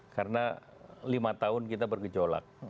karena lima tahun kita bergejolak